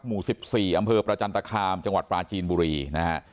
หมู่๑๔อำเภอประจันตคามจังหวัดปลาจีนบุรีนะฮะ